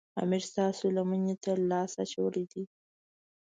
امیر ستاسو لمنې ته لاس اچولی دی.